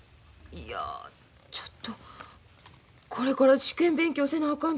いやちょっとこれから試験勉強せなあ